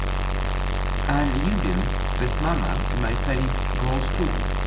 add Ljubim te pesmama in my playlist Gold School